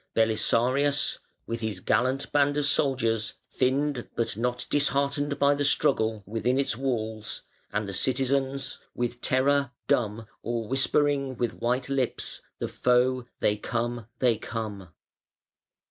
Belisarius with his gallant band of soldiers thinned but not disheartened by the struggle, within its walls, and the citizens "with terror dumb, Or whispering with white lips, 'The foe, they come, they come!" [Footnote 147: Now the Ponte Molle.